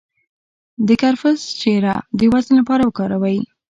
د کرفس شیره د وزن لپاره وکاروئ